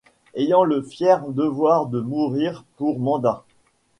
Ayant le fier devoir de mourir pour mandat